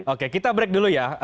oke kita break dulu ya